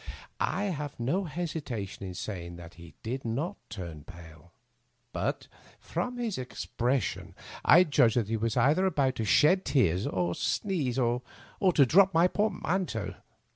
I have no hesitation in saying that he did not tnm pale ; bnt, from his expression, I judged that he was either about to shed tears, to sneeze, or to drop my portmantean.